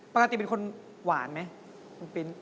ปกกติเป็นคนหวานไหม